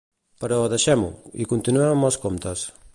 Però, deixem-ho, i continuem amb els comptes.